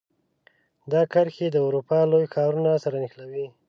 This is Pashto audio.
دا کرښې د اروپا لوی ښارونو سره نښلوي.